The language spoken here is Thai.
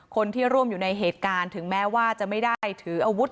คนที่ร่วมอยู่ในเหตุการณ์ถึงแม้ว่าจะไม่ได้ถืออาวุธ